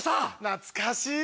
懐かしい。